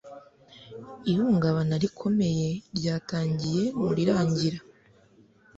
Ihungabana rikomeye ryatangiye mu rirangira